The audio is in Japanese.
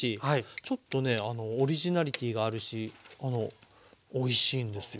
ちょっとねオリジナリティーがあるしおいしいんですよ。